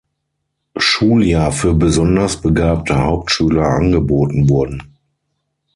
Schuljahr für besonders begabte Hauptschüler angeboten wurden.